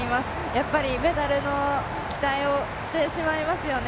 やっぱりメダルの期待をしてしまいますよね。